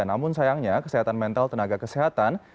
namun sayangnya kesehatan mental tenaga kesehatan